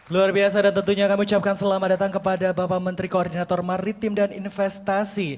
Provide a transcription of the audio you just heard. luar biasa dan tentunya kami ucapkan selamat datang kepada bapak menteri koordinator maritim dan investasi